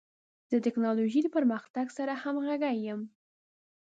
زه د ټکنالوژۍ د پرمختګ سره همغږی یم.